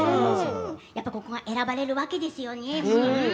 やっぱり、ここが選ばれるわけですよね。